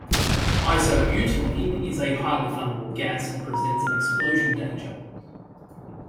Isobutylene is a highly flammable gas and presents an explosion danger.